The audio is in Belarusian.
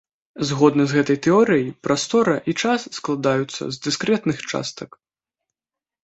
Згодна з гэтай тэорыяй, прастора і час складаюцца з дыскрэтных частак.